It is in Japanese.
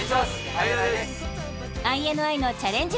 ＩＮＩのチャレンジ